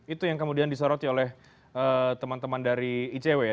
itu yang kemudian disoroti oleh teman teman dari icw ya